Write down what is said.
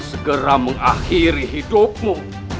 segera mengakhiri hidupmu